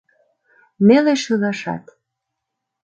Неле шӱлашат.